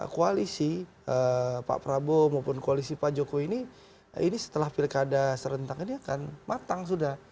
koalisi pak prabowo maupun koalisi pak jokowi ini ini setelah pilkada serentak ini akan matang sudah